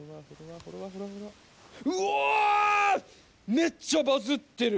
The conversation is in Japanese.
めっちゃバズってる。